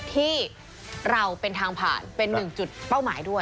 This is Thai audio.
ที่เราเป็นทางผ่านเป็นหนึ่งจุดเป้าหมายด้วย